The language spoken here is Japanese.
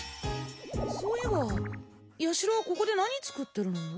そういえばヤシロはここで何作ってるの？